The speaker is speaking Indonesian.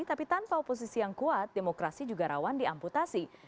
tapi tanpa oposisi yang kuat demokrasi juga rawan diamputasi